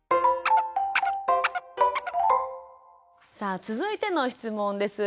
さあ続いての質問です。